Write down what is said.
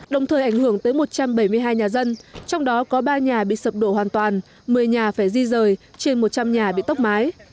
đồng thời ảnh hưởng tới một trăm bảy mươi hai nhà dân trong đó có ba nhà bị sập đổ hoàn toàn một mươi nhà phải di rời trên một trăm linh nhà bị tốc mái